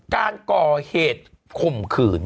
การก่อเหตุข่มขืน